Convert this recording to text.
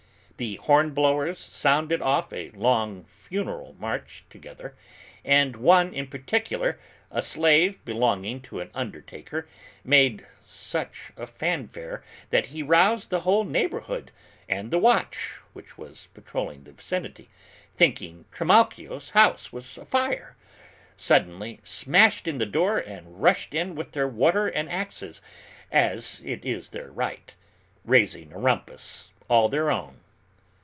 The horn blowers sounded off a loud funeral march together, and one in particular, a slave belonging to an undertaker, made such a fanfare that he roused the whole neighborhood, and the watch, which was patrolling the vicinity, thinking Trimalchio's house was afire, suddenly smashed in the door and rushed in with their water and axes, as is their right, raising a rumpus all their own.